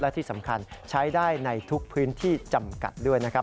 และที่สำคัญใช้ได้ในทุกพื้นที่จำกัดด้วยนะครับ